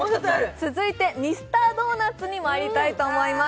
続いてミスタードーナツにまいりたいと思います。